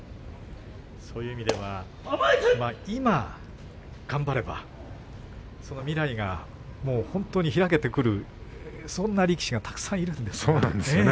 そういう意味では今頑張れば未来が開けてくるそんな力士がたくさんいるんですけどね。